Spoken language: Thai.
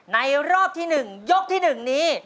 รอบที่๑ยกที่๑นี้